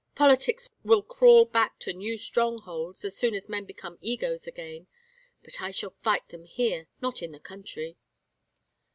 Politics will crawl back to new strongholds, as soon as men become egos again, but I shall fight them here, not in the country."